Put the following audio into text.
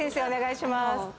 お願いします。